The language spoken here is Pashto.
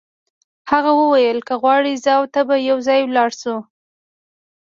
هغه وویل که غواړې زه او ته به یو ځای ولاړ شو.